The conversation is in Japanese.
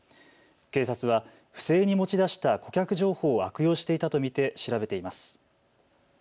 警察は不正に持ち出した顧客情報を悪用していたと見て調べています。